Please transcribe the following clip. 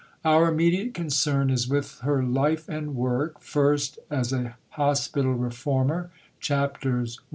" Our immediate concern is with her life and work, first, as a Hospital Reformer (Chaps.